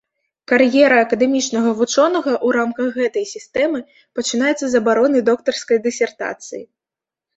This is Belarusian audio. Кар'ера акадэмічнага вучонага ў рамках гэтай сістэмы пачынаецца з абароны доктарскай дысертацыі.